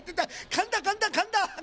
かんだかんだかんだ！